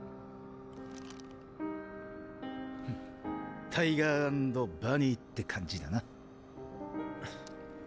フッタイガー＆バニーって感じだな。